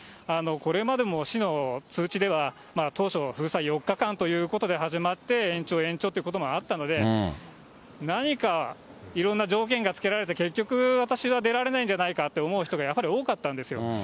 これまでも市の通知では、当初、封鎖４日間ということで、始まって、延長、延長ということもあったので、何かいろんな条件が付けられて、結局、私は出られないんじゃないかって思う人がやはり多かったんですよ。